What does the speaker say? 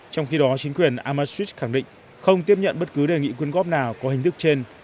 trong khi đó chính quyền amashi khẳng định không tiếp nhận bất cứ đề nghị quyên góp nào có hình thức trên